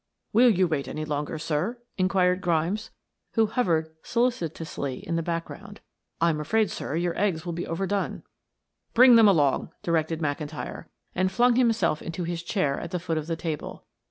"Will you wait any longer, sir?" inquired Grimes, who hovered solicitously in the background. "I'm afraid, sir, your eggs will be over done." "Bring them along," directed McIntyre, and flung himself into his chair at the foot of the table.